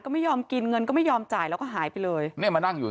ก็ไม่ยอมกินเงินก็ไม่ยอมจ่ายแล้วก็หายไปเลยเนี่ยมานั่งอยู่